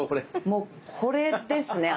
もうこれですね！